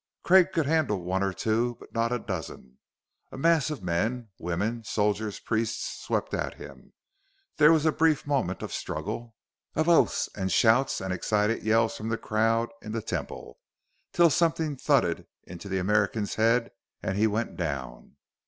Craig could handle one or two, but not a dozen. A mass of men, women, soldiers, priests, swept at him. There was a brief moment of struggle, of oaths and shouts and excited yells from the crowd in the Temple, till something thudded into the American's head and he went down.